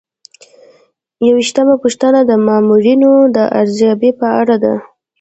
یوویشتمه پوښتنه د مامورینو د ارزیابۍ په اړه ده.